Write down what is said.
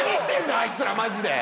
あいつらマジで！